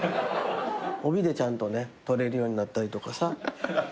帯でちゃんと取れるようになったりとかさ。